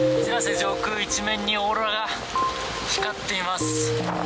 上空一面にオーロラが光っています。